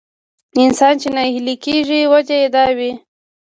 انسان چې ناهيلی کېږي وجه يې دا وي.